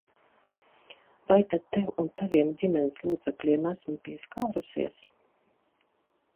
Vai tad tev un taviem ģimenes locekļiem esmu pieskārusies?